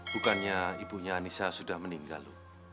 bukannya ibunya anissa sudah meninggal